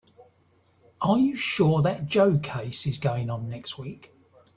Are you sure that Joe case is going on next week?